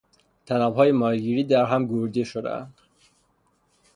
طنابهای ماهیگیری در هم گوریده شدند.